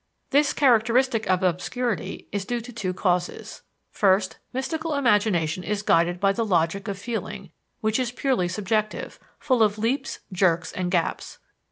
This characteristic of obscurity is due to two causes. First, mystical imagination is guided by the logic of feeling, which is purely subjective, full of leaps, jerks, and gaps.